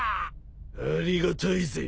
ありがたいぜ！